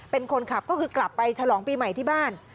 เป็นคนขับก็คือกลับไปฉลองปีใหม่ที่บ้าน